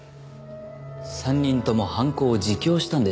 ３人とも犯行を自供したんでしょう？